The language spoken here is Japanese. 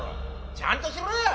ちゃんとしろよ